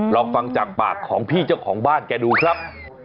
ลองฟังจากปากของพี่เจ้าของบ้านแกดูครับ